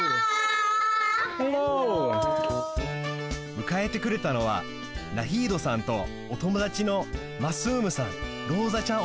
むかえてくれたのはナヒードさんとおともだちのマスームさんローザちゃん